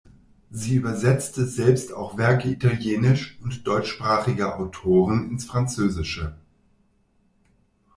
Sie übersetzte selbst auch Werke italienisch- und deutschsprachiger Autoren ins Französische.